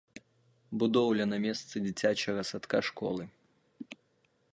Будоўля на месцы дзіцячага садка-школы.